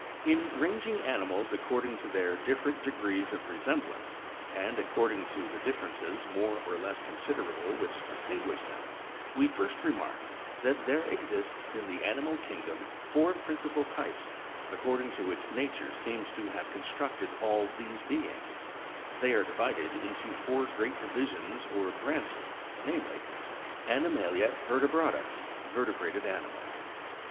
16. In ranging animals according to their different degrees of resemblance and according to the differences more or less con siderable which distinguish them, we first remark, that there exists in the animal kingdom, four principal types according to which nature seems to have constructed all these beings ; they are divided into four great divisions or BRANCHES, namely : 1st. Animalia vertebrata vertebrated animals.